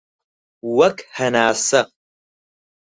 وەک هەناسە